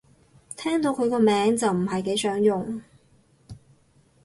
聽到佢個名就唔係幾想用